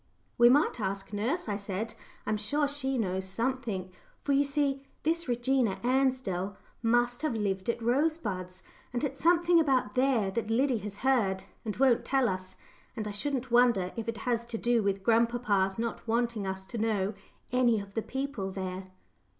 "We might ask nurse," I said. "I am sure she knows something for you see, this Regina Ansdell must have lived at Rosebuds, and it's something about there that Liddy has heard, and won't tell us. And I shouldn't wonder if it has to do with grandpapa's not wanting us to know any of the people there."